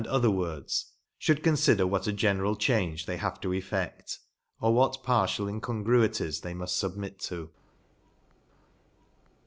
other words, fhould conflder what a genera! change they have to efFect, or what partial incongruities they muft fubmit to.